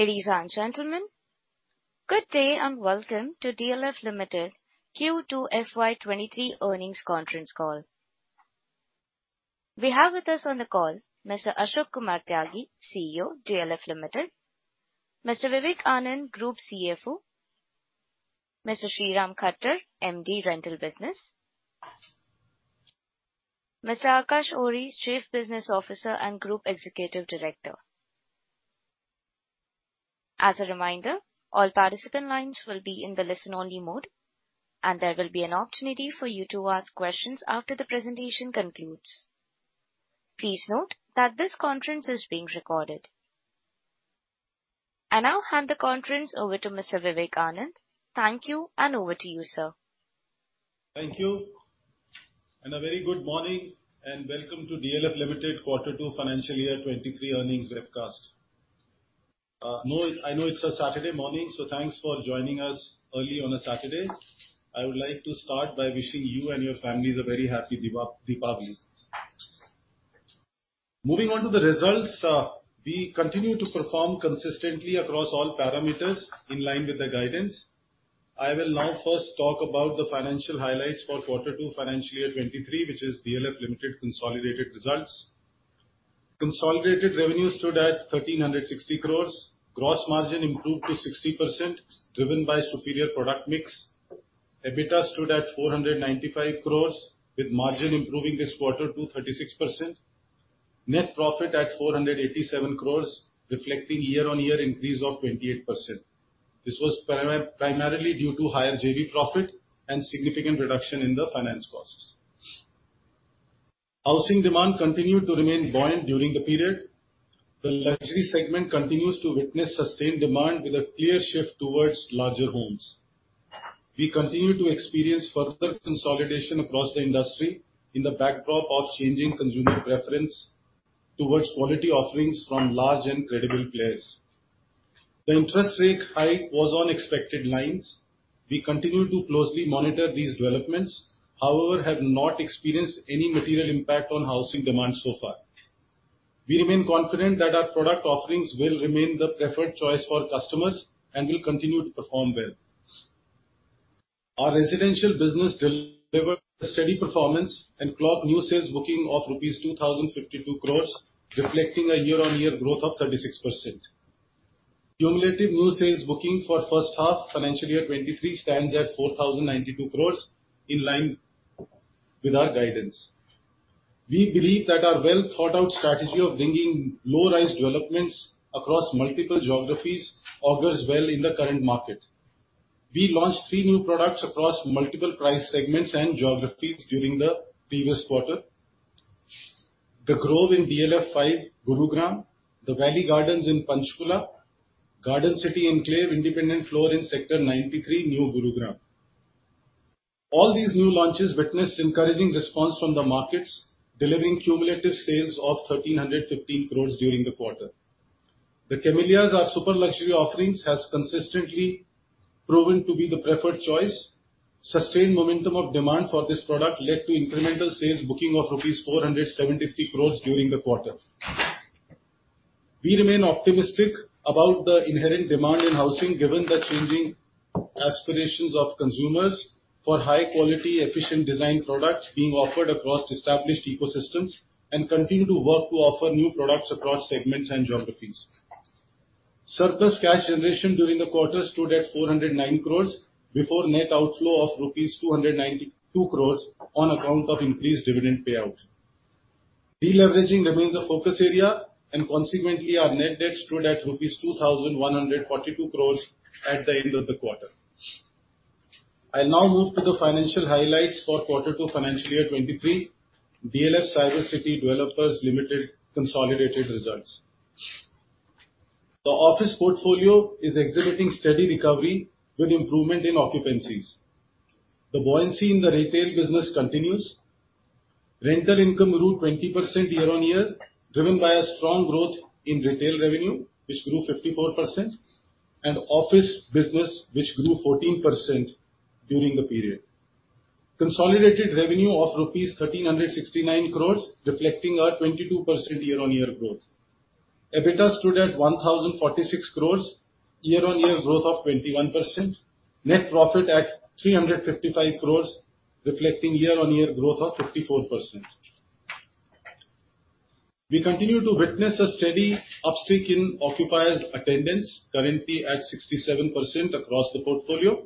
Ladies and gentlemen, good day and welcome to DLF Limited Q2 FY 2023 earnings conference call. We have with us on the call Mr. Ashok Kumar Tyagi, CEO, DLF Limited. Mr. Vivek Anand, Group CFO. Mr. Sriram Khattar, MD, Rental Business. Mr. Aakash Ohri, Chief Business Officer and Group Executive Director. As a reminder, all participant lines will be in the listen-only mode, and there will be an opportunity for you to ask questions after the presentation concludes. Please note that this conference is being recorded. I now hand the conference over to Mr. Vivek Anand. Thank you, and over to you, sir. Thank you. A very good morning, and welcome to DLF Limited Quarter 2 Financial Year 2023 earnings webcast. I know it's a Saturday morning, so thanks for joining us early on a Saturday. I would like to start by wishing you and your families a very happy Deepavali. Moving on to the results, we continue to perform consistently across all parameters in line with the guidance. I will now first talk about the financial highlights for Quarter 2 Financial Year 2023, which is DLF Limited consolidated results. Consolidated revenue stood at 1,360 crores. Gross margin improved to 60%, driven by superior product mix. EBITDA stood at 495 crores, with margin improving this quarter to 36%. Net profit at 487 crores, reflecting year-on-year increase of 28%. This was primarily due to higher JV profit and significant reduction in the finance costs. Housing demand continued to remain buoyant during the period. The luxury segment continues to witness sustained demand with a clear shift towards larger homes. We continue to experience further consolidation across the industry in the backdrop of changing consumer preference towards quality offerings from large and credible players. The interest rate hike was on expected lines. We continue to closely monitor these developments, however have not experienced any material impact on housing demand so far. We remain confident that our product offerings will remain the preferred choice for customers and will continue to perform well. Our residential business delivered a steady performance and clock new sales booking of rupees 2,052 crores, reflecting a year-on-year growth of 36%. Cumulative new sales bookings for first half financial year 2023 stands at 4,092 crores, in line with our guidance. We believe that our well-thought-out strategy of bringing low-rise developments across multiple geographies augurs well in the current market. We launched three new products across multiple price segments and geographies during the previous quarter. The Grove in DLF 5 Gurugram, The Valley Gardens in Panchkula, Garden City Enclave Independent Floor in Sector 93, New Gurugram. All these new launches witnessed encouraging response from the markets, delivering cumulative sales of 1,315 crores during the quarter. The Camellias, our super luxury offerings, has consistently proven to be the preferred choice. Sustained momentum of demand for this product led to incremental sales bookings of rupees 473 crores during the quarter. We remain optimistic about the inherent demand in housing, given the changing aspirations of consumers for high-quality, efficient design products being offered across established ecosystems, and continue to work to offer new products across segments and geographies. Surplus cash generation during the quarter stood at 409 crores before net outflow of rupees 292 crores on account of increased dividend payout. Deleveraging remains a focus area and consequently our net debt stood at rupees 2,142 crores at the end of the quarter. I now move to the financial highlights for Quarter Two Financial Year 2023, DLF Cyber City Developers Limited consolidated results. The office portfolio is exhibiting steady recovery with improvement in occupancies. The buoyancy in the retail business continues. Rental income grew 20% year-on-year, driven by a strong growth in retail revenue, which grew 54%, and office business, which grew 14% during the period. Consolidated revenue of rupees 1,369 crores, reflecting a 22% year-on-year growth. EBITDA stood at 1,046 crores, year-on-year growth of 21%. Net profit at 355 crores, reflecting year-on-year growth of 54%. We continue to witness a steady upstick in occupiers' attendance, currently at 67% across the portfolio,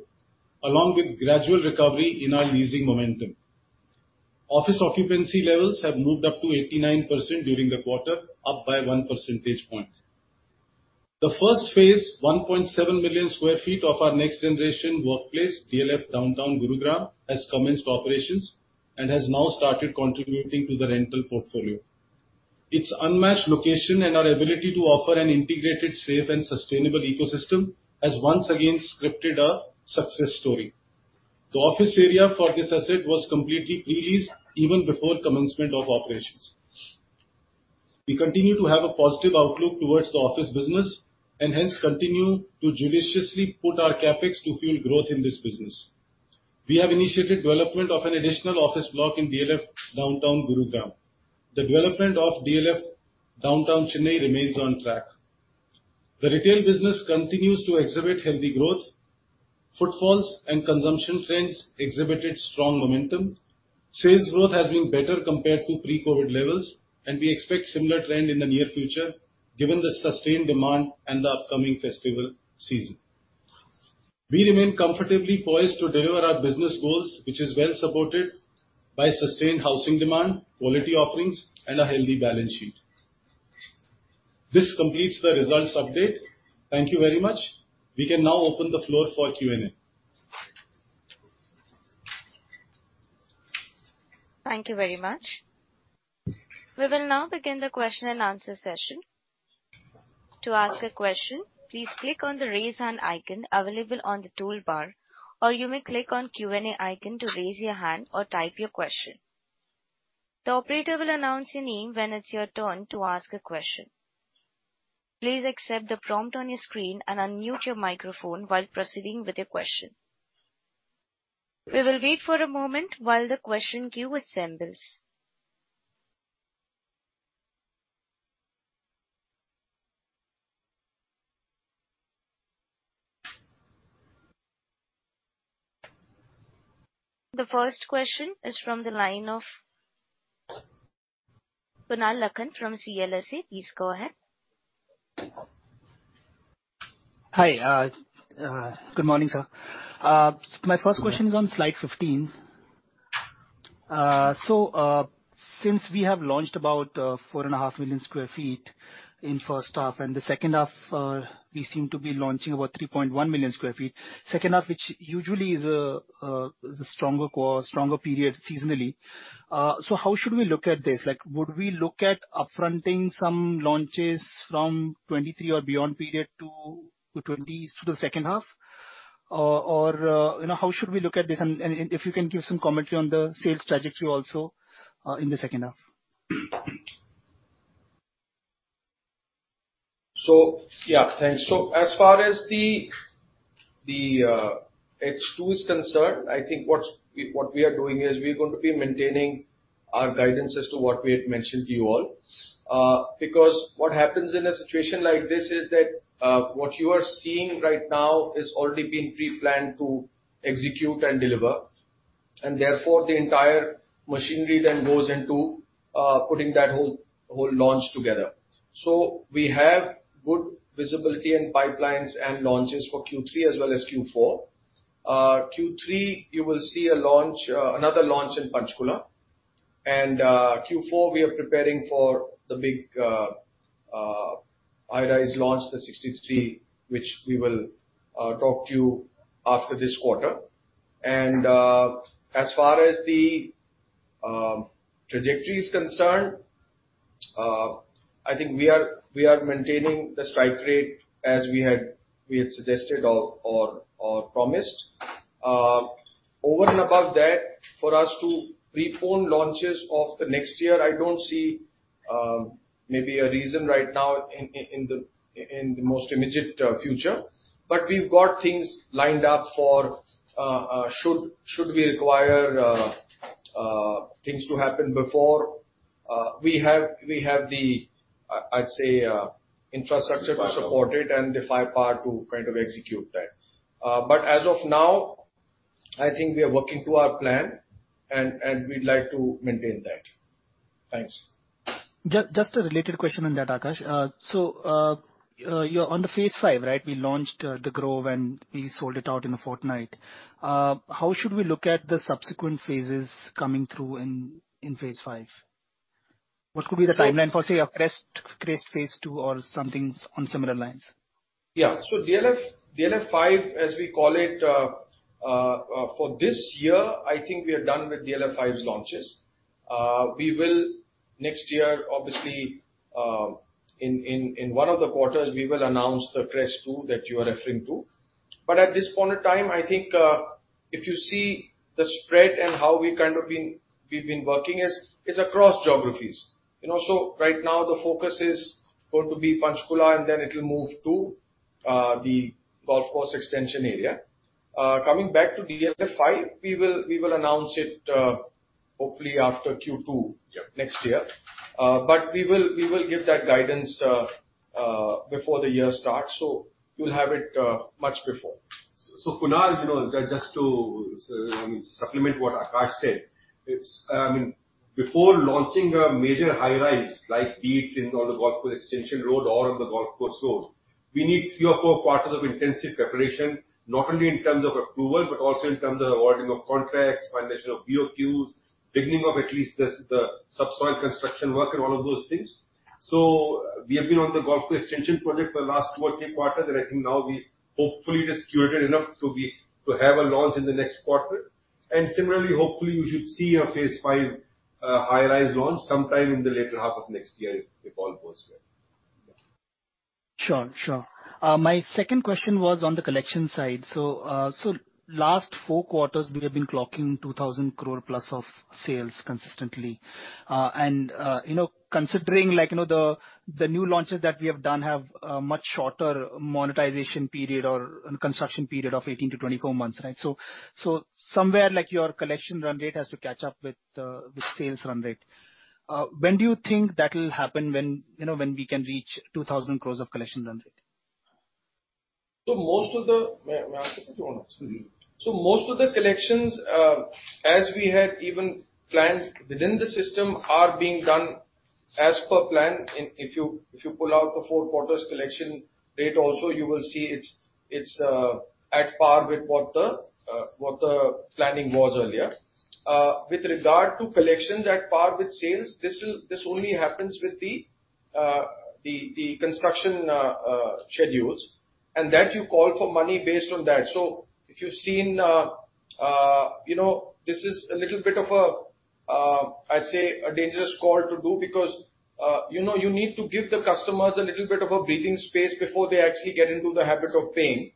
along with gradual recovery in our leasing momentum. Office occupancy levels have moved up to 89% during the quarter, up by 1 percentage point. The first phase, 1.7 million sq ft of our next generation workplace, DLF Downtown Gurugram, has commenced operations and has now started contributing to the rental portfolio. Its unmatched location and our ability to offer an integrated, safe and sustainable ecosystem has once again scripted a success story. The office area for this asset was completely pre-leased even before commencement of operations. We continue to have a positive outlook towards the office business and hence continue to judiciously put our CapEx to fuel growth in this business. We have initiated development of an additional office block in DLF Downtown, Gurugram. The development of DLF Downtown Chennai remains on track. The retail business continues to exhibit healthy growth. Footfalls and consumption trends exhibited strong momentum. Sales growth has been better compared to pre-COVID levels, and we expect similar trend in the near future given the sustained demand and the upcoming festival season. We remain comfortably poised to deliver our business goals, which is well supported by sustained housing demand, quality offerings, and a healthy balance sheet. This completes the results update. Thank you very much. We can now open the floor for Q&A. Thank you very much. We will now begin the question and answer session. To ask a question, please click on the Raise Hand icon available on the toolbar, or you may click on Q&A icon to raise your hand or type your question. The operator will announce your name when it's your turn to ask a question. Please accept the prompt on your screen and unmute your microphone while proceeding with your question. We will wait for a moment while the question queue assembles. The first question is from the line of Kunal Lakhan from CLSA. Please go ahead. Hi. Good morning, sir. My first question is on slide 15. Since we have launched about 4.5 million sq ft in first half and the second half, we seem to be launching about 3.1 million sq ft, second half which usually is the stronger quarter, stronger period seasonally. How should we look at this? Like, would we look at up-fronting some launches from 2023 or beyond period to 2022's second half? Or, you know, how should we look at this? If you can give some commentary on the sales trajectory also in the second half. As far as the H2 is concerned, I think what we are doing is we're going to be maintaining our guidance as to what we had mentioned to you all. Because what happens in a situation like this is that what you are seeing right now is already being pre-planned to execute and deliver. Therefore the entire machinery then goes into putting that whole launch together. We have good visibility and pipelines and launches for Q3 as well as Q4. Q3, you will see a launch, another launch in Panchkula. Q4, we are preparing for the big high-rise launch, the 63, which we will talk to you after this quarter. As far as the trajectory is concerned, I think we are maintaining the strike rate as we had suggested or promised. Over and above that, for us to pre-pone launches of the next year, I don't see maybe a reason right now in the most immediate future. We've got things lined up for should we require things to happen before we have the I'd say infrastructure to support it and the firepower to kind of execute that. As of now, I think we are working to our plan and we'd like to maintain that. Thanks. Just a related question on that, Aakash. You're on the Phase 5, right? We launched The Grove, and we sold it out in a fortnight. How should we look at the subsequent phases coming through in Phase 5? What could be the timeline for, say, The Crest Phase 2 or something on similar lines? Yeah. DLF 5, as we call it, for this year, I think we are done with DLF 5's launches. We will next year, obviously, in one of the quarters, we will announce the Crest 2 that you are referring to. But at this point of time, I think, if you see the spread and how we've been working is across geographies. You know, right now the focus is going to be Panchkula, and then it'll move to the golf course extension area. Coming back to DLF 5, we will announce it, hopefully after Q2. Yeah. Next year. We will give that guidance before the year starts. You'll have it much before. Kunal, you know, just to supplement what Aakash said, it's before launching a major high-rise like be it on the Golf Course Extension Road or on the Golf Course Road, we need three or four quarters of intensive preparation, not only in terms of approvals, but also in terms of awarding of contracts, finalization of BOQs, beginning of at least the subsoil construction work and all of those things. We have been on the Golf Course Extension project for the last two or three quarters, and I think now we hopefully executed enough to have a launch in the next quarter. Similarly, hopefully you should see a Phase 5 high-rise launch sometime in the later half of next year if all goes well. Sure, sure. My second question was on the collection side. Last four quarters we have been clocking 2,000 crore+ of sales consistently. And you know, considering like, you know, the new launches that we have done have a much shorter monetization period or construction period of 18-24 months, right? Somewhere like your collection run rate has to catch up with the sales run rate. When do you think that will happen, you know, when we can reach 2,000 crores of collection run rate? May I answer it or you wanna answer it? Please. Most of the collections, as we had even planned within the system are being done as per plan. If you pull out the four quarters collection date also, you will see it's at par with what the planning was earlier. With regard to collections at par with sales, this only happens with the construction schedules, and that you call for money based on that. If you've seen, you know, this is a little bit of a, I'd say a dangerous call to do because, you know, you need to give the customers a little bit of a breathing space before they actually get into the habit of paying.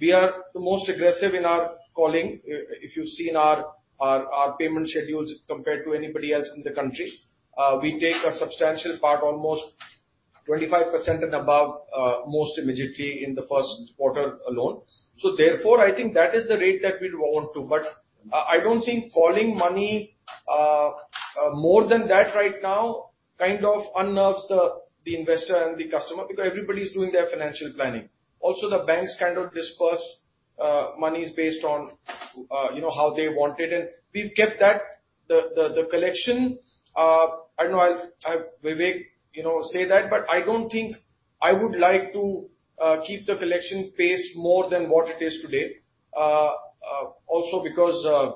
We are the most aggressive in our calling. If you've seen our payment schedules compared to anybody else in the country, we take a substantial part, almost 25% and above, most immediately in the first quarter alone. I think that is the rate that we'd want to. I don't think collecting money more than that right now kind of unnerves the investor and the customer because everybody's doing their financial planning. The banks kind of disburse monies based on, you know, how they want it. We've kept that, the collection. I know I've, Vivek, you know, say that, but I don't think I would like to keep the collection pace more than what it is today. Also because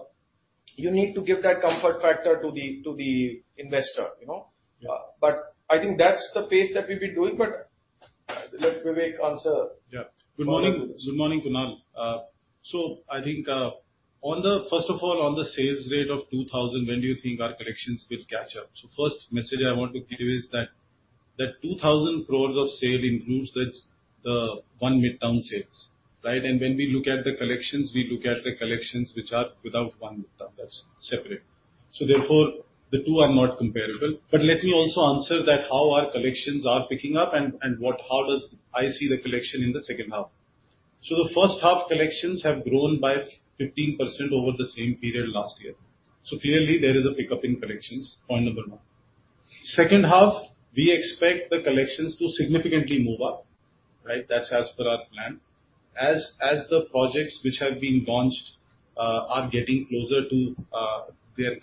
you need to give that comfort factor to the investor, you know? Yeah. I think that's the pace that we've been doing. Let Vivek answer. Yeah. Good morning. Good morning, Kunal. On the sales rate of 2,000, when do you think our collections will catch up? First message I want to give is that 2,000 crores of sales includes the One Midtown sales, right? When we look at the collections, we look at the collections which are without One Midtown. That's separate. Therefore the two are not comparable. Let me also answer how our collections are picking up and how I see the collections in the second half. The first half collections have grown by 15% over the same period last year. Clearly there is a pickup in collections, point number one. Second half, we expect the collections to significantly move up, right? That's as per our plan. The projects which have been launched are getting closer to their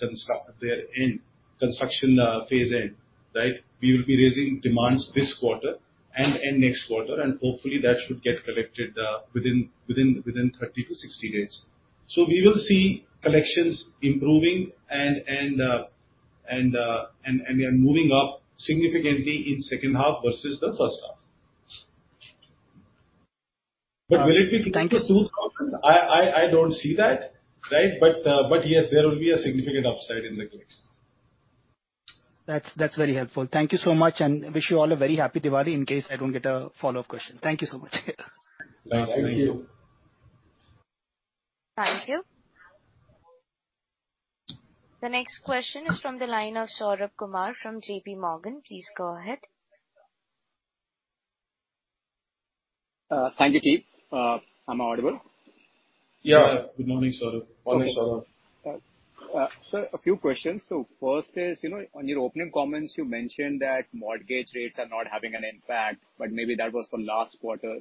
construction phase end, right? We will be raising demands this quarter and next quarter, and hopefully that should get collected within 30-60 days. We will see collections improving and moving up significantly in second half versus the first half. Will it be? Thank you. I don't see that, right? Yes, there will be a significant upside in the collections. That's very helpful. Thank you so much. Wish you all a very happy Diwali in case I don't get a follow-up question. Thank you so much. Thank you. Thank you. Thank you. The next question is from the line of Saurabh Kumar from JPMorgan. Please go ahead. Thank you. Am I audible? Yeah. Good morning, Saurabh. Morning, Saurabh. Sir, a few questions. First is, you know, on your opening comments you mentioned that mortgage rates are not having an impact, but maybe that was for last quarter.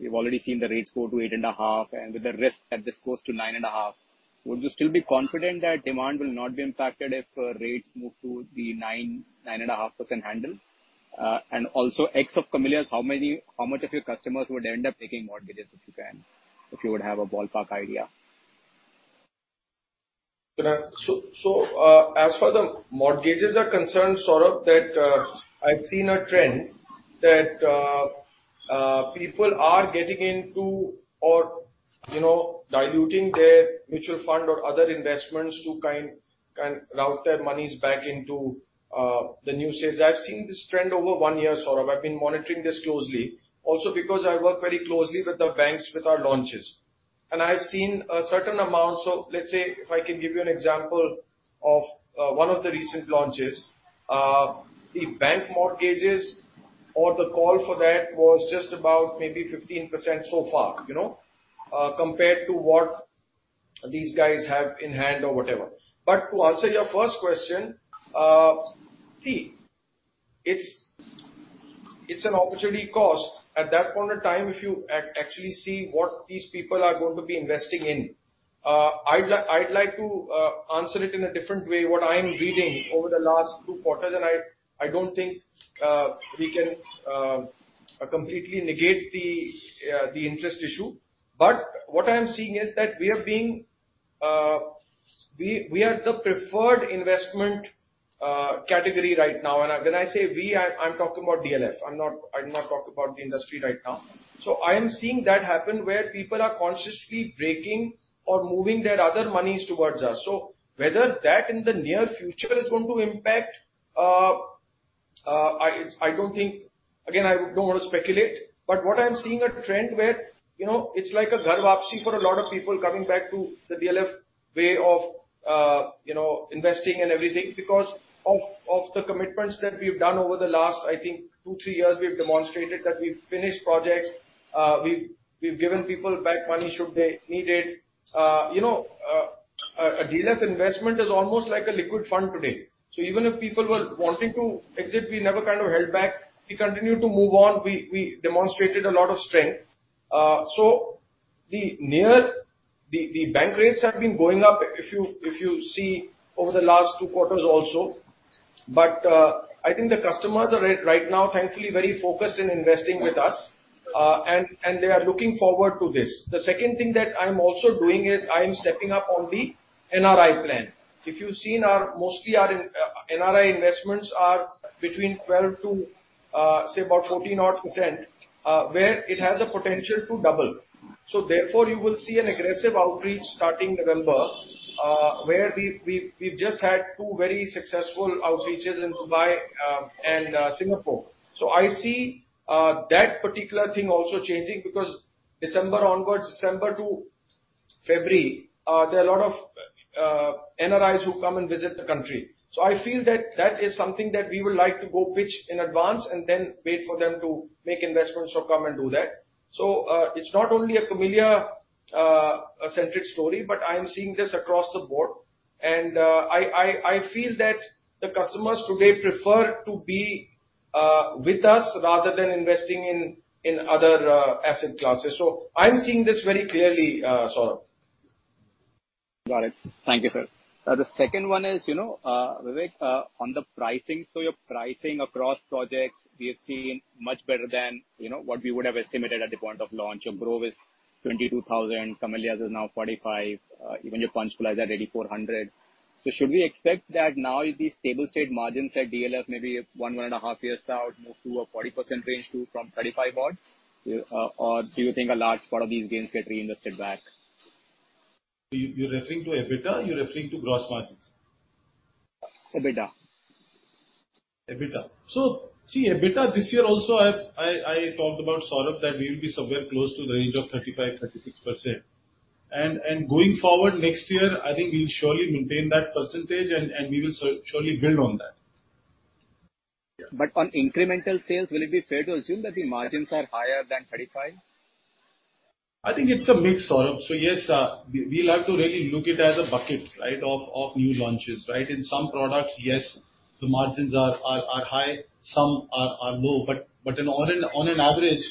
We've already seen the rates go to 8.5, and with the risk that this goes to 9.5, would you still be confident that demand will not be impacted if rates move to the 9.5% handle? And also ex of Camellias, how many, how much of your customers would end up taking mortgages, if you can, if you would have a ballpark idea? As far as the mortgages are concerned, Saurabh, I've seen a trend that people are getting into or, you know, diluting their mutual fund or other investments to kind of route their monies back into the new sales. I've seen this trend over one year, Saurabh. I've been monitoring this closely. Also because I work very closely with the banks with our launches. I've seen a certain amount. Let's say if I can give you an example of one of the recent launches. The bank mortgages or the call for that was just about maybe 15% so far, you know, compared to what these guys have in hand or whatever. To answer your first question, it's an opportunity cost. At that point of time, if you actually see what these people are going to be investing in, I'd like to answer it in a different way what I'm reading over the last two quarters, and I don't think we can completely negate the interest issue. What I'm seeing is that we are the preferred investment category right now. When I say we, I'm talking about DLF. I'm not talking about the industry right now. I am seeing that happen where people are consciously breaking or moving their other monies towards us. Whether that in the near future is going to impact, I don't think. Again, I don't wanna speculate, but what I'm seeing a trend where, you know, it's like a Ghar Waapsi for a lot of people coming back to the DLF way of, you know, investing and everything because of the commitments that we've done over the last, I think two, three years. We've demonstrated that we've finished projects. We've given people back money should they need it. You know, a DLF investment is almost like a liquid fund today. So even if people were wanting to exit, we never kind of held back. We continued to move on. We demonstrated a lot of strength. So the bank rates have been going up, if you see over the last two quarters also. I think the customers are, right now, thankfully, very focused on investing with us, and they are looking forward to this. The second thing that I'm also doing is I'm stepping up on the NRI plan. If you've seen our NRI investments are between 12% to, say about 14% odd, where it has a potential to double. Therefore, you will see an aggressive outreach starting November, where we've just had two very successful outreaches in Dubai, and Singapore. I see that particular thing also changing because December onwards, December to February, there are a lot of NRIs who come and visit the country. I feel that that is something that we would like to go pitch in advance and then wait for them to make investments or come and do that. It's not only a Camellia-centric story, but I am seeing this across the board. I feel that the customers today prefer to be with us rather than investing in other asset classes. I'm seeing this very clearly, Saurabh. Got it. Thank you, sir. The second one is, you know, Vivek, on the pricing. Your pricing across projects, we have seen much better than, you know, what we would have estimated at the point of launch. Your Grove is 22,000. Camellias is now 45,000. Even your Panchkula is at 8,400. Should we expect that now the stable state margins at DLF may be one and a half years out, move to a 40% range too from 35% odd? Or do you think a large part of these gains get reinvested back? You're referring to EBITDA or you're referring to gross margins? EBITDA. EBITDA. See, EBITDA this year also I talked about, Saurabh, that we will be somewhere close to the range of 35%-36%. Going forward next year, I think we'll surely maintain that percentage and we will surely build on that. On incremental sales, will it be fair to assume that the margins are higher than 35%? I think it's a mix, Saurabh. Yes, we'll have to really look at it as a bucket, right, of new launches, right? In some products, yes, the margins are high, some are low. On an average,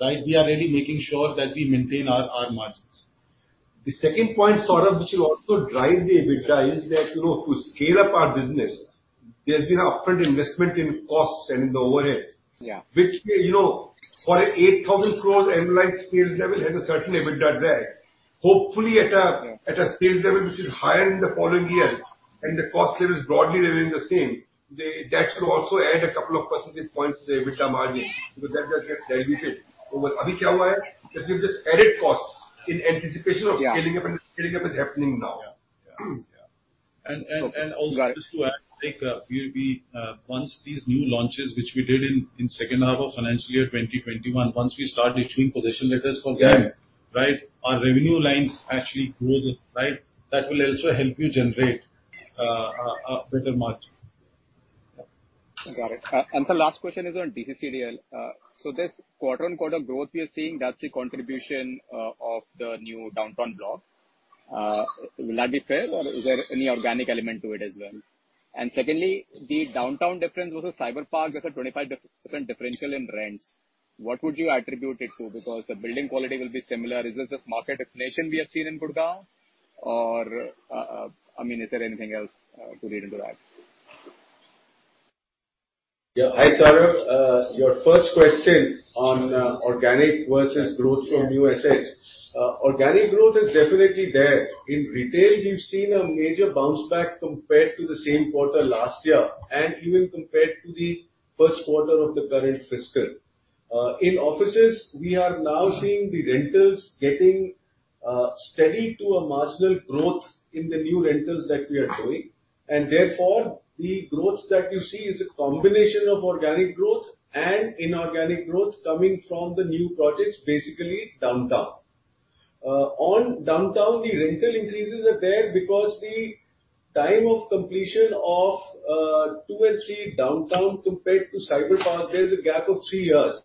right, we are really making sure that we maintain our margins. The second point, Saurabh, which will also drive the EBITDA is that, you know, to scale up our business, there's been an upfront investment in costs and in the overheads. Yeah. Which, you know, for an 8,000 crore annualized sales level has a certain EBITDA drag. Hopefully at a sales level which is higher in the following years and the cost there is broadly remaining the same. That should also add a couple of percentage points to the EBITDA margin because that just gets diluted. We've just added costs in anticipation of scaling up, and scaling up is happening now. Yeah. Yeah. Okay. Got it. Also just to add, like, we'll be once these new launches, which we did in second half of financial year 2021, once we start issuing possession letters for them. Yeah. Right? Our revenue lines actually grow, right? That will also help you generate a better margin. Got it. Sir, last question is on DCCDL. This quarter-on-quarter growth we are seeing, that's a contribution of the new DLF Downtown block. Will that be fair or is there any organic element to it as well? Secondly, the DLF Downtown difference versus Cyber Park, there's a 25% differential in rents. What would you attribute it to? Because the building quality will be similar. Is this just market definition we have seen in Gurgaon or, I mean, is there anything else to read into that? Yeah. Hi, Saurabh. Your first question on organic versus growth from new assets. Organic growth is definitely there. In retail, you've seen a major bounce back compared to the same quarter last year and even compared to the first quarter of the current fiscal. In offices, we are now seeing the rentals getting steady to a marginal growth in the new rentals that we are doing. Therefore, the growth that you see is a combination of organic growth and inorganic growth coming from the new projects, basically Downtown. On Downtown, the rental increases are there because the time of completion of two and three Downtown compared to Cyber Park, there's a gap of three years.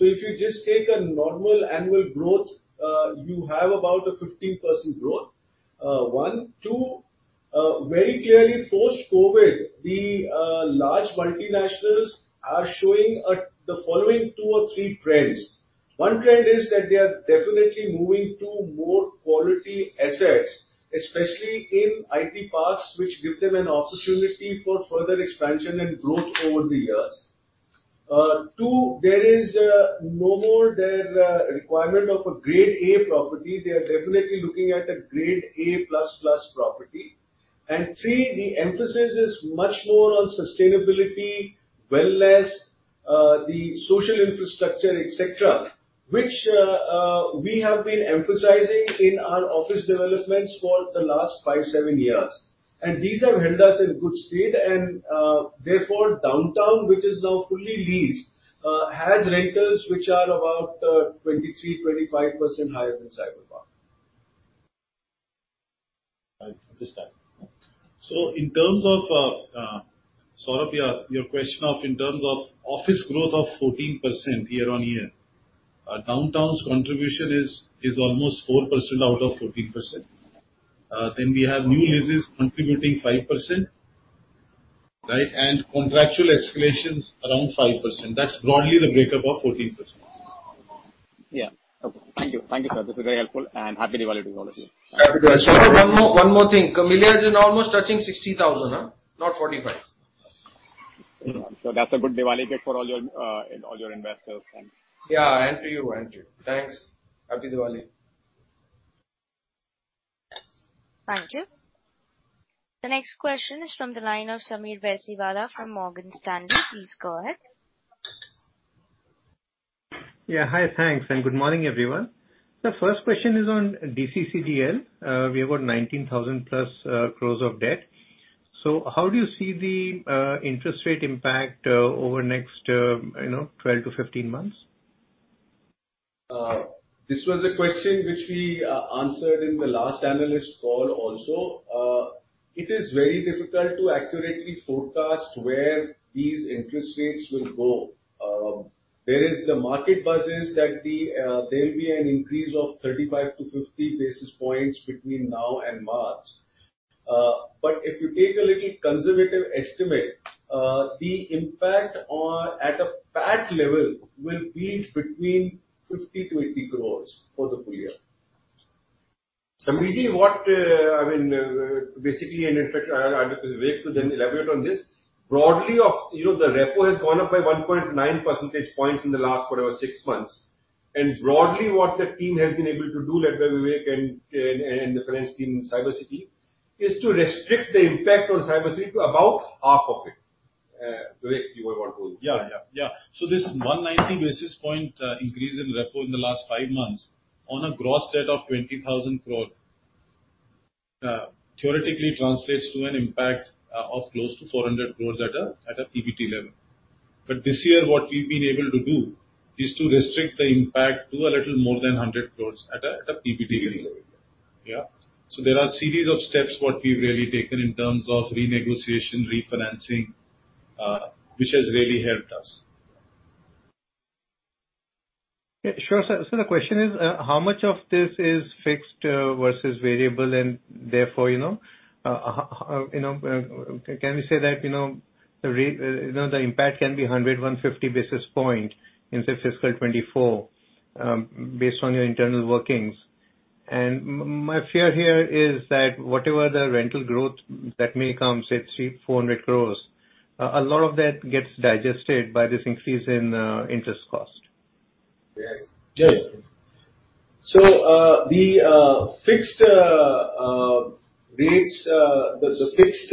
If you just take a normal annual growth, you have about a 15% growth. Two, very clearly post-COVID, the large multinationals are showing the following two or three trends. One trend is that they are definitely moving to more quality assets, especially in IT parks, which give them an opportunity for further expansion and growth over the years. Two, there is no more their requirement of a grade A property. They are definitely looking at a grade A++ property. Three, the emphasis is much more on sustainability, wellness, the social infrastructure, et cetera, which we have been emphasizing in our office developments for the last five to seven years. These have held us in good state. Therefore, Downtown, which is now fully leased, has rentals which are about 23%-25% higher than Cyber Park. I understand. In terms of sort of your question of in terms of office growth of 14% year-on-year, Downtown's contribution is almost 4% out of 14%. Then we have new leases contributing 5%, right? Contractual escalations around 5%. That's broadly the breakup of 14%. Yeah. Okay. Thank you. Thank you, sir. This is very helpful, and Happy Diwali to all of you. Happy Diwali. One more thing. Camellias is almost touching 60,000, huh? Not 45,000. That's a good Diwali gift for all your investors and Yeah, and to you, and to you. Thanks. Happy Diwali. Thank you. The next question is from the line of Sameer Baisiwara from Morgan Stanley. Please go ahead. Yeah. Hi. Thanks. Good morning, everyone. The first question is on DCCDL. We have got 19,000+ crores of debt. How do you see the interest rate impact over the next 12-15 months? This was a question which we answered in the last analyst call also. It is very difficult to accurately forecast where these interest rates will go. There is the market buzz is that there will be an increase of 35-50 basis points between now and March. If you take a little conservative estimate, the impact at a PAT level will be between 50-80 crores for the full year. Sameerji, basically, and in fact, I'll ask Vivek to then elaborate on this. Broadly of, you know, the repo has gone up by 1.9 percentage points in the last, whatever, 6 months. Broadly, what the team has been able to do, led by Vivek and the finance team in Cyber City, is to restrict the impact on Cyber City to about half of it. Vivek, you may want to- This 190 basis points increase in repo in the last five months on a gross debt of 20,000 crores theoretically translates to an impact of close to 400 crores at a PBT level. This year, what we've been able to do is to restrict the impact to a little more than 100 crores at a PBT level. There are series of steps what we've really taken in terms of renegotiation, refinancing, which has really helped us. Yeah, sure, sir. The question is, how much of this is fixed versus variable? Therefore, you know, how, you know, can we say that, you know, the rate, you know, the impact can be 100-150 basis points in fiscal 2024, based on your internal workings. My fear here is that whatever the rental growth that may come, say 300-400 crore, a lot of that gets digested by this increase in interest cost. Yes. Yeah, yeah. The fixed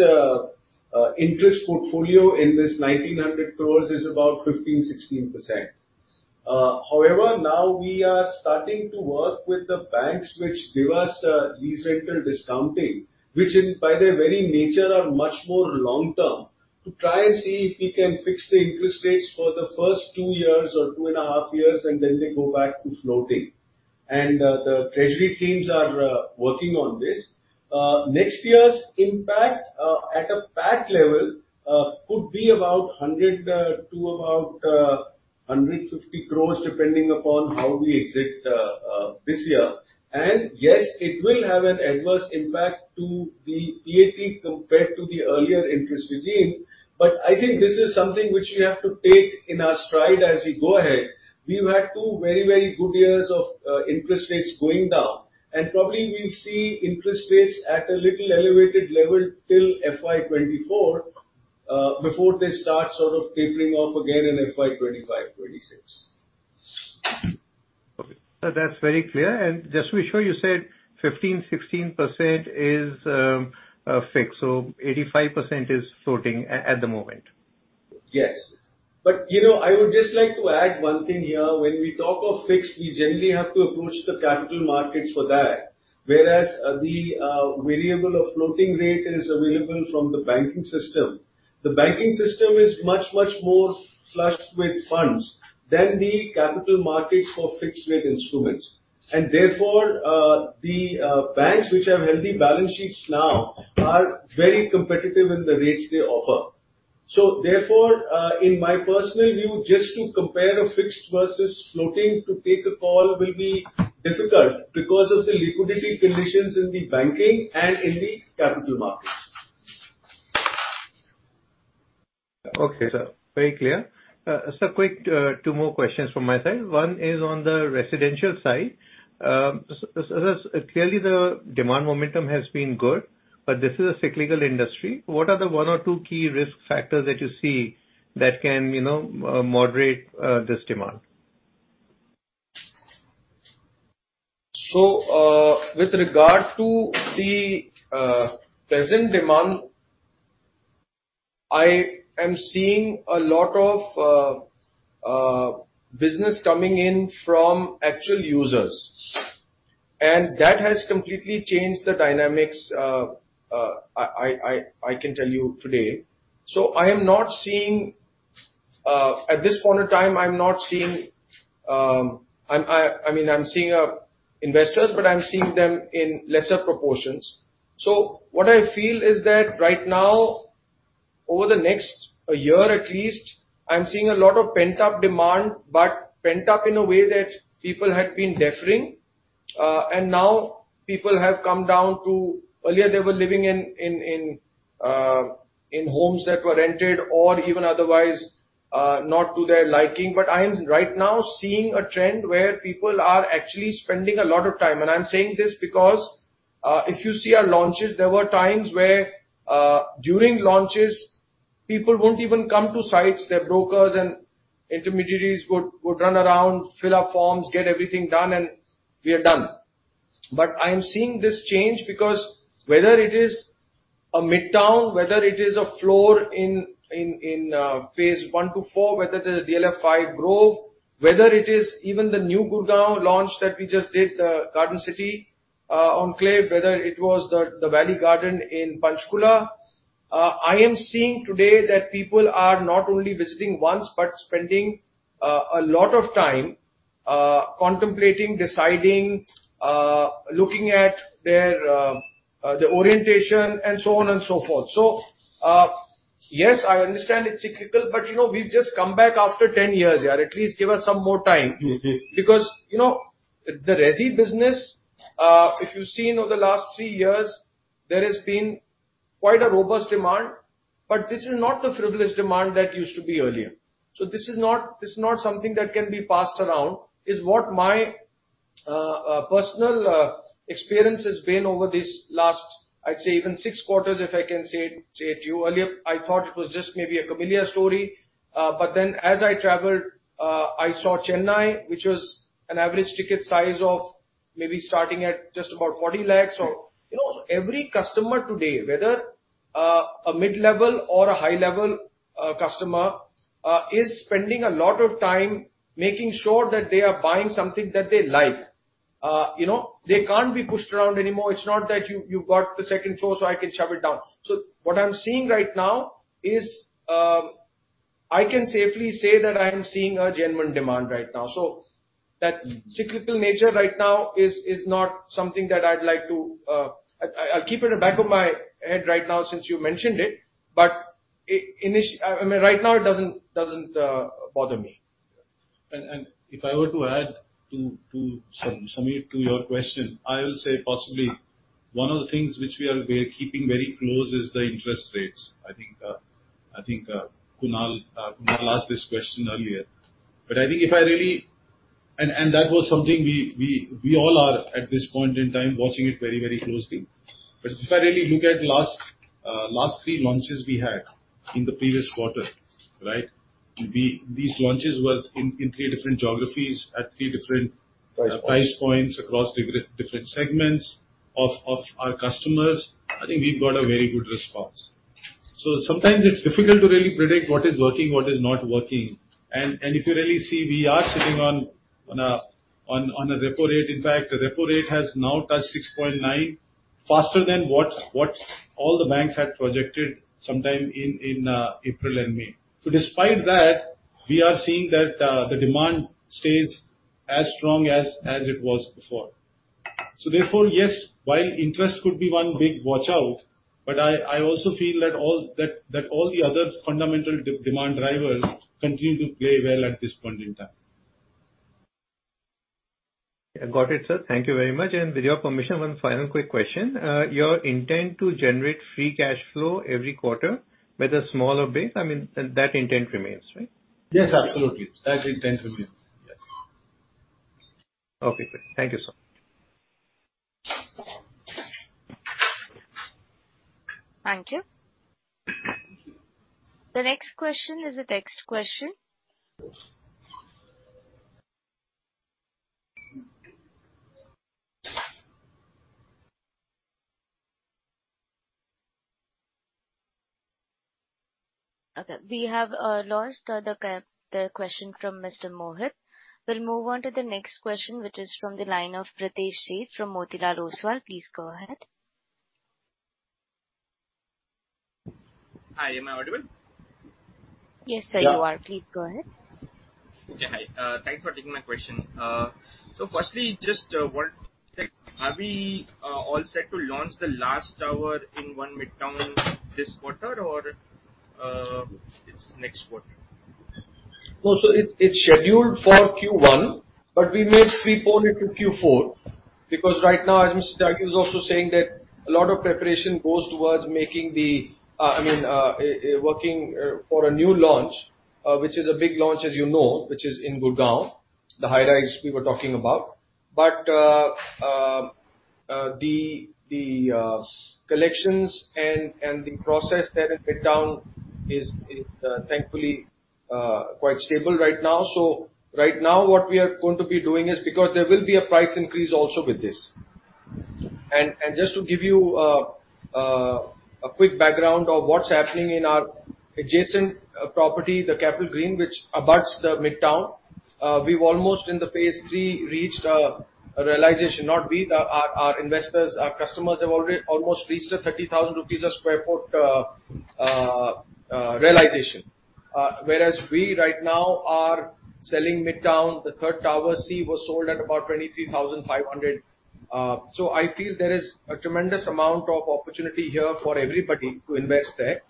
interest portfolio in this 1,900 crores is about 15%-16%. However, now we are starting to work with the banks which give us lease rental discounting, which by their very nature are much more long term, to try and see if we can fix the interest rates for the first 2 years or 2 and a half years, and then they go back to floating. The treasury teams are working on this. Next year's impact at a PAT level could be about 100 to about 150 crores, depending upon how we exit this year. Yes, it will have an adverse impact to the PAT compared to the earlier interest regime. I think this is something which we have to take in our stride as we go ahead. We've had two very, very good years of interest rates going down, and probably we'll see interest rates at a little elevated level till FY 2024 before they start sort of tapering off again in FY 2025, 2026. Okay. That's very clear. Just to be sure, you said 15-16% is fixed. 85% is floating at the moment. Yes. You know, I would just like to add one thing here. When we talk of fixed, we generally have to approach the capital markets for that, whereas the variable of floating rate is available from the banking system. The banking system is much, much more flushed with funds than the capital markets for fixed-rate instruments. Therefore, the banks which have healthy balance sheets now are very competitive in the rates they offer. Therefore, in my personal view, just to compare a fixed versus floating to take a call will be difficult because of the liquidity conditions in the banking and in the capital markets. Okay, sir. Very clear. Sir, quick, two more questions from my side. One is on the residential side. So that's clearly the demand momentum has been good, but this is a cyclical industry. What are the one or two key risk factors that you see that can, you know, moderate, this demand? With regard to the present demand. I am seeing a lot of business coming in from actual users, and that has completely changed the dynamics. I can tell you today. I am not seeing at this point in time. I mean, I'm seeing investors, but I'm seeing them in lesser proportions. What I feel is that right now, over the next year at least, I'm seeing a lot of pent-up demand, but pent-up in a way that people had been deferring. Now people have come down to. Earlier, they were living in homes that were rented or even otherwise not to their liking. I'm right now seeing a trend where people are actually spending a lot of time. I'm saying this because, if you see our launches, there were times where, during launches, people won't even come to sites. Their brokers and intermediaries would run around, fill out forms, get everything done, and we are done. I am seeing this change because whether it is a Midtown, whether it is a floor in Phase 1 to 4, whether it is DLF 5 Grove, whether it is even the new Gurgaon launch that we just did, Garden City Enclave, whether it was The Valley Gardens in Panchkula. I am seeing today that people are not only visiting once, but spending a lot of time contemplating, deciding, looking at the orientation and so on and so forth. Yes, I understand it's cyclical, but you know, we've just come back after 10 years. Yeah, at least give us some more time. Mm-hmm. You know, the resi business, if you've seen over the last three years, there has been quite a robust demand. This is not the frivolous demand that used to be earlier. This is not something that can be passed around is what my personal experience has been over this last, I'd say even six quarters, if I can say it to you. Earlier, I thought it was just maybe a Camellias story. As I traveled, I saw Chennai, which was an average ticket size of maybe starting at just about 40 lakhs. Or you know, every customer today, whether a mid-level or a high-level customer, is spending a lot of time making sure that they are buying something that they like. You know, they can't be pushed around anymore. It's not that you got the second floor, so I can shove it down. What I'm seeing right now is, I can safely say that I am seeing a genuine demand right now. That cyclical nature right now is not something that I'd like to. I'll keep it in the back of my head right now since you mentioned it, but I mean, right now, it doesn't bother me. If I were to add to Sameer to your question, I will say possibly one of the things which we're keeping very close is the interest rates. I think Kunal asked this question earlier. That was something we all are at this point in time watching it very closely. But if I really look at last three launches we had in the previous quarter, right? These launches were in three different geographies at three different- Price points. Price points across different segments of our customers. I think we've got a very good response. Sometimes it's difficult to really predict what is working, what is not working. If you really see, we are sitting on a repo rate. In fact, the repo rate has now touched 6.9% faster than what all the banks had projected sometime in April and May. Despite that, we are seeing that the demand stays as strong as it was before. Therefore, yes, while interest could be one big watch out, but I also feel that all the other fundamental demand drivers continue to play well at this point in time. I've got it, sir. Thank you very much. With your permission, one final quick question. Your intent to generate free cash flow every quarter, whether small or big, I mean, that intent remains, right? Yes, absolutely. That intent remains. Yes. Okay. Great. Thank you, sir. Thank you. The next question is a text question. Okay, we have lost the question from Mr. Mohit. We'll move on to the next question, which is from the line of Pritesh Sheth from Motilal Oswal. Please go ahead. Hi, am I audible? Yes, sir, you are. Yeah. Please go ahead. Yeah, hi. Thanks for taking my question. Firstly, just one. Are we all set to launch the last tower in One Midtown this quarter or it's next quarter? No. It's scheduled for Q1, but we may prepone it to Q4 because right now, as Mr. Tyagi is also saying, a lot of preparation goes towards making the, I mean, working for a new launch, which is a big launch, as you know, which is in Gurgaon, the high-rise we were talking about. The collections and the process there in Midtown is, thankfully, quite stable right now. Right now what we are going to be doing is because there will be a price increase also with this. Just to give you a quick background of what's happening in our adjacent property, the Capital Greens, which abuts the Midtown, we've almost in Phase 3 reached a realization. Not we, but our investors, our customers have already almost reached 30,000 rupees/sq ft realization. Whereas we right now are selling Midtown, the third tower C was sold at about 23,500. I feel there is a tremendous amount of opportunity here for everybody to invest there.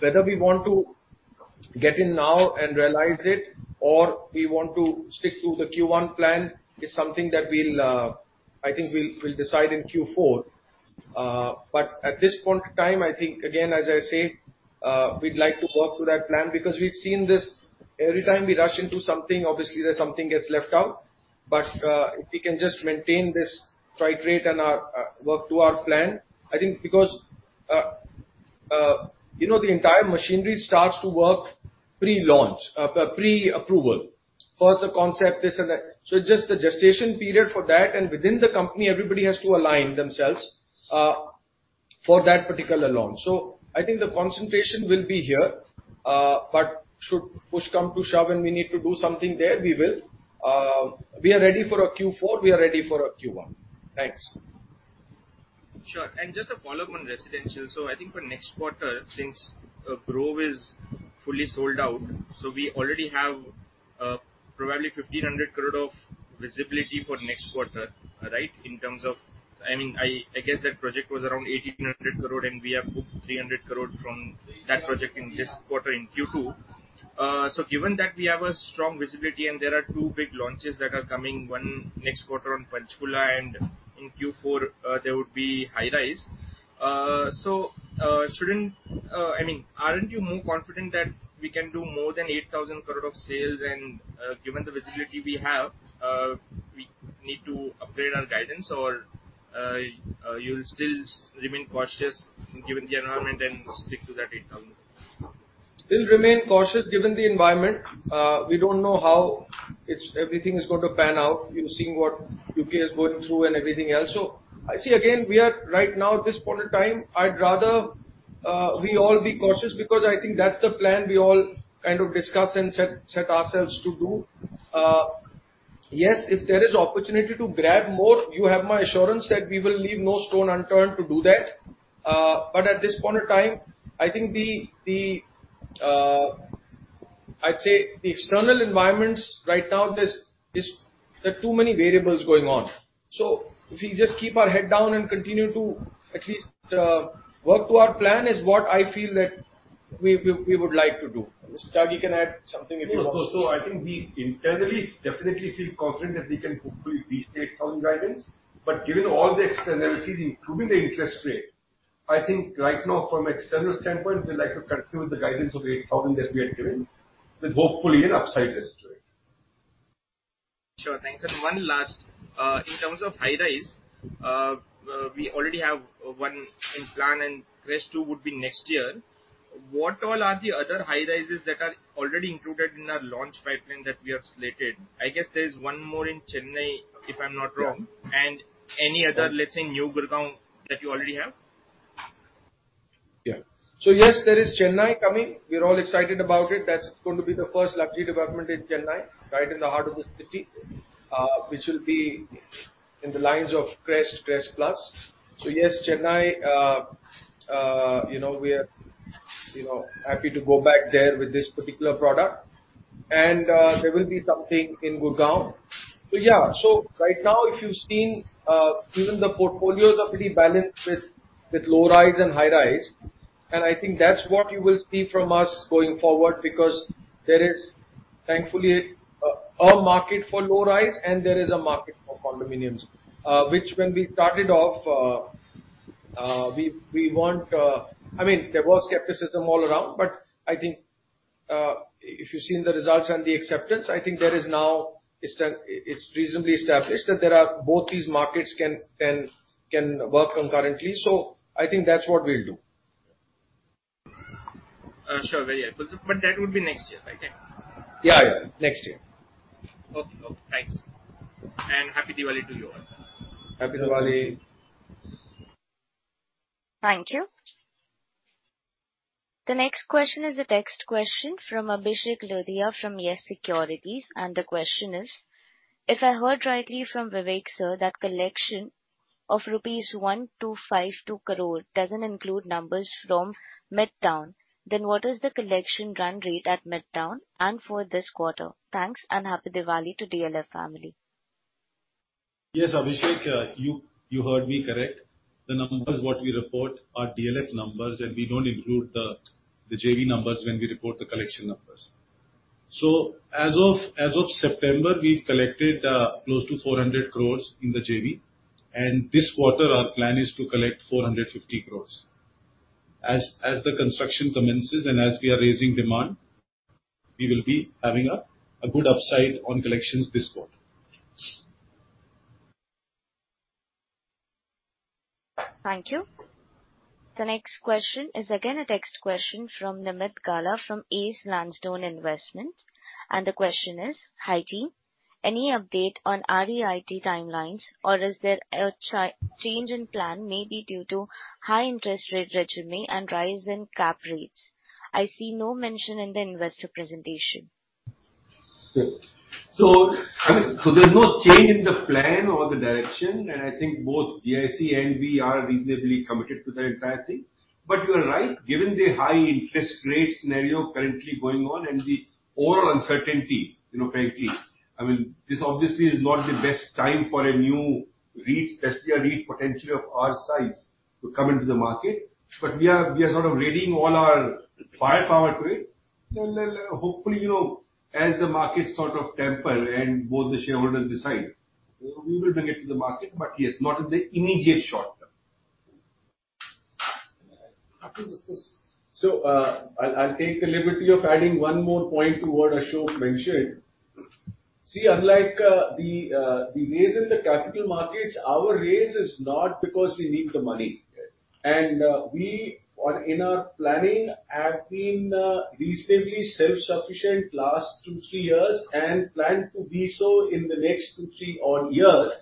Whether we want to get in now and realize it or we want to stick to the Q1 plan is something that we'll decide in Q4. At this point in time, I think, again, as I said, we'd like to work to that plan because we've seen this. Every time we rush into something, obviously there's something gets left out. If we can just maintain this strike rate and work to our plan, I think because you know the entire machinery starts to work pre-launch, pre-approval. First the concept, this and that. It's just the gestation period for that. Within the company, everybody has to align themselves for that particular launch. I think the concentration will be here. Should push come to shove and we need to do something there, we will. We are ready for a Q4. We are ready for a Q1. Thanks. Sure. Just a follow-up on residential. I think for next quarter, since The Grove is fully sold out, we already have probably 1,500 crore of visibility for next quarter, right? I mean, I guess that project was around 1,800 crore and we have booked 300 crore from that project in this quarter in Q2. Given that we have a strong visibility and there are two big launches that are coming, one next quarter on Panchkula and in Q4, there would be high-rise. Shouldn't I mean, aren't you more confident that we can do more than 8,000 crore of sales and, given the visibility we have, we need to upgrade our guidance? Or, you'll still remain cautious given the environment and stick to that INR 8,000? We'll remain cautious given the environment. We don't know how everything is going to pan out. You've seen what the U.K. is going through and everything else. I say again, we are right now at this point in time. I'd rather we all be cautious because I think that's the plan we all kind of discussed and set ourselves to do. Yes, if there is opportunity to grab more, you have my assurance that we will leave no stone unturned to do that. At this point in time, I think I'd say the external environments right now. There are too many variables going on. If we just keep our head down and continue to at least work to our plan, that is what I feel we would like to do. Mr. Tyagi. Can add something if he wants. No. I think we internally definitely feel confident that we can hopefully beat the 8,000 guidance. Given all the externalities, including the interest rate, I think right now from external standpoint, we'd like to continue with the guidance of 8,000 that we have given, with hopefully an upside risk to it. Sure. Thanks. One last. In terms of high-rise, we already have one in plan and The Crest two would be next year. What all are the other high-rises that are already included in our launch pipeline that we have slated? I guess there's one more in Chennai, if I'm not wrong. Yeah. Any other, let's say, new Gurgaon that you already have? Yes, there is Chennai coming. We're all excited about it. That's going to be the first luxury development in Chennai, right in the heart of the city, which will be along the lines of the Crest Plus. Yes, Chennai, you know, we are, you know, happy to go back there with this particular product. There will be something in Gurugram. Right now, if you've seen, even the portfolios are pretty balanced with low-rise and high-rise. I think that's what you will see from us going forward because there is thankfully a market for low-rise and there is a market for condominiums. Which when we started off, we want. I mean, there was skepticism all around, but I think if you've seen the results and the acceptance, I think there is now it's reasonably established that there are both these markets can work concurrently. I think that's what we'll do. Sure. Very helpful. That would be next year, right? Yeah, yeah. Next year. Okay. Okay. Thanks. Happy Diwali to you all. Happy Diwali. Thank you. The next question is a text question from Abhishek Lodhia from YES Securities. The question is: If I heard rightly from Vivek, sir, that collection of rupees 1252 crore doesn't include numbers from Midtown, then what is the collection run rate at Midtown and for this quarter? Thanks, and Happy Diwali to DLF family. Yes, Abhishek, you heard me correct. The numbers what we report are DLF numbers, and we don't include the JV numbers when we report the collection numbers. As of September, we've collected close to 400 crore in the JV, and this quarter our plan is to collect 450 crore. As the construction commences and as we are raising demand, we will be having a good upside on collections this quarter. Thank you. The next question is again a text question from Nimit Gala from Ace Landstone Investments, and the question is: Hi, team. Any update on REIT timelines or is there a change in plan, maybe due to high interest rate regime and rise in cap rates? I see no mention in the investor presentation. I mean, so there's no change in the plan or the direction, and I think both GIC and we are reasonably committed to the entire thing. You are right, given the high interest rate scenario currently going on and the overall uncertainty, you know, frankly, I mean, this obviously is not the best time for a new REIT, especially a REIT potentially of our size, to come into the market. We are sort of readying all our firepower to it. Hopefully, you know, as the markets sort of temper and both the shareholders decide, we will bring it to the market. Yes, not in the immediate short term. Happy to- I'll take the liberty of adding one more point to what Ashok mentioned. See, unlike the raise in the capital markets, our raise is not because we need the money. Yes. In our planning, we have been reasonably self-sufficient last 2-3 years and plan to be so in the next 2-3 odd years,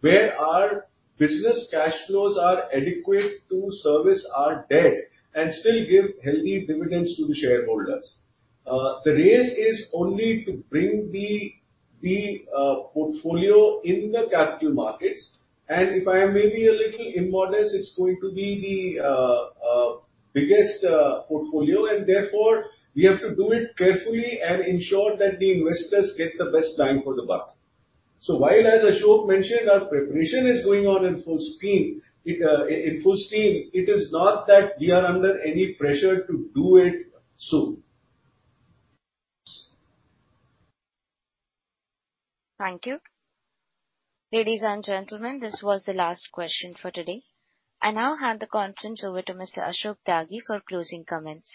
where our business cash flows are adequate to service our debt and still give healthy dividends to the shareholders. The raise is only to bring the portfolio in the capital markets. If I may be a little immodest, it's going to be the biggest portfolio, and therefore we have to do it carefully and ensure that the investors get the best bang for the buck. While, as Ashok mentioned, our preparation is going on in full steam, it is not that we are under any pressure to do it soon. Thank you. Ladies and gentlemen, this was the last question for today. I now hand the conference over to Mr. Ashok Tyagi for closing comments.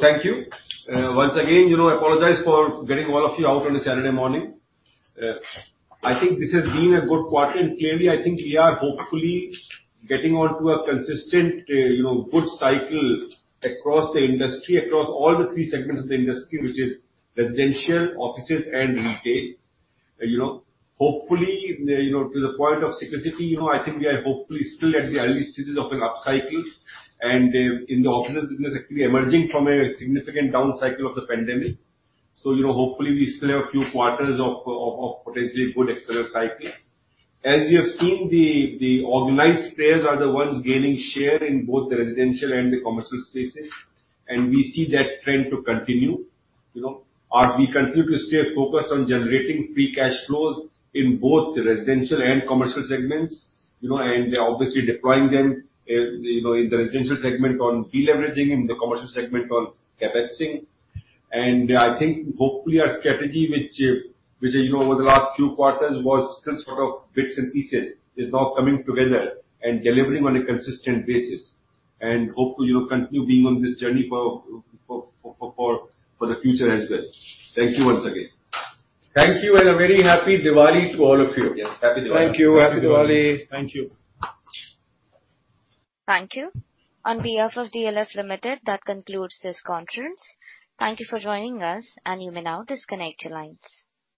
Thank you. Once again, you know, I apologize for getting all of you out on a Saturday morning. I think this has been a good quarter, and clearly, I think we are hopefully getting onto a consistent, you know, good cycle across the industry, across all the three segments of the industry, which is residential, offices and retail. You know, hopefully, you know, to the point of specificity, you know, I think we are hopefully still at the early stages of an upcycle and, in the offices business actually emerging from a significant downcycle of the pandemic. You know, hopefully we still have a few quarters of potentially good external cycles. As you have seen, the organized players are the ones gaining share in both the residential and the commercial spaces, and we see that trend to continue, you know. We continue to stay focused on generating free cash flows in both residential and commercial segments, you know, and obviously deploying them, you know, in the residential segment on deleveraging, in the commercial segment on CapExing. I think hopefully our strategy which, you know, over the last few quarters was still sort of bits and pieces, is now coming together and delivering on a consistent basis. Hopefully we'll continue being on this journey for the future as well. Thank you once again. Thank you, and a very happy Diwali to all of you. Yes, Happy Diwali. Thank you. Happy Diwali. Thank you. Thank you. On behalf of DLF Limited, that concludes this conference. Thank you for joining us, and you may now disconnect your lines.